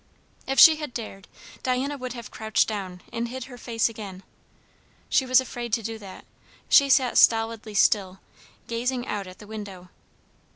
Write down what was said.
If she had dared, Diana would have crouched down and hid her face again; she was afraid to do that; she sat stolidly still, gazing out at the window.